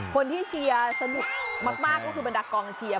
เชียร์สนุกมากก็คือบรรดากองเชียร์